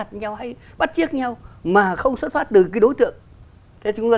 là chúng ta là hay áp đặt nhau hay bắt chiếc nhau mà không xuất phát từ cái đối tượng thế chúng ta